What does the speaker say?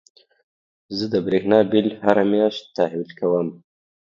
زه د برېښنا بيل هره مياشت تحويل کوم.